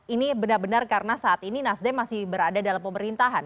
ini benar benar karena saat ini nasdem masih berada dalam pemerintahan